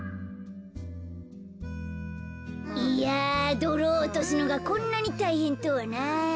いやどろをおとすのがこんなにたいへんとはな。